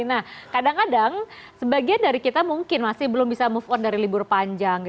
nah kadang kadang sebagian dari kita mungkin masih belum bisa move on dari libur panjang